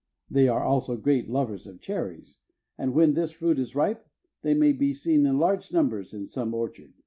They are also great lovers of cherries, and when this fruit is ripe they may be seen in large numbers in some orchard.